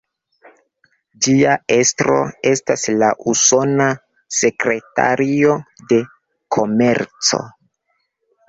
Ĝia estro estas la Usona Sekretario de Komerco.